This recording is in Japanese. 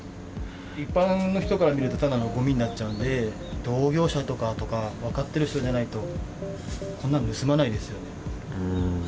一般の人から見るとただのごみになっちゃうんで、同業者とか、分かってる人じゃないと、こんなの盗まないですよね。